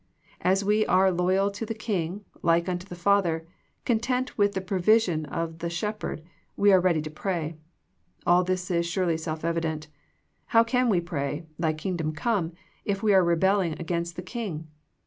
As we are loyal to the King, like unto the Father, content with the provision of the Shepherd, we are ready to pray. All this is surely self evident. How can we pray "Thy Kingdom come," if we are rebelling against the King